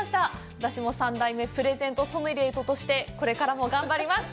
私も３代目プレゼントソムリエとしてこれからも頑張ります！